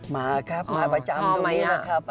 มาครับมาประจำตรงนี้นะครับ